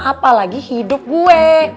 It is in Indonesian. apalagi hidup gue